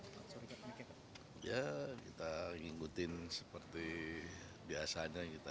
bagaimana pak harapan dengan mendengarkan saksian hari ini dan seterusnya itu